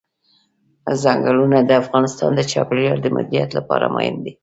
ځنګلونه د افغانستان د چاپیریال د مدیریت لپاره مهم دي.